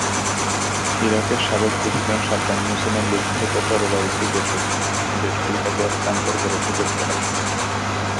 ইরাকের সাবেক president Saddam হোসেনের লুণ্ঠিত তরবারিটি দেশটির কাছে হস্তান্তর করেছে যুক্তরাষ্ট্র।